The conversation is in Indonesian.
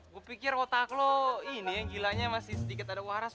gue pikir otak lo ini yang gilanya masih sedikit ada waras